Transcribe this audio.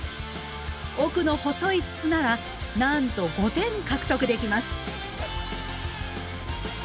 奥の細い筒ならなんと５点獲得できます。